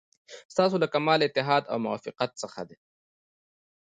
ستاسو له کمال اتحاد او موافقت څخه.